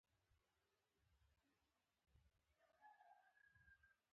دا د شخړو او بنسټونو د ویجاړتیا سبب شوه.